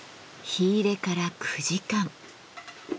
火入れから９時間。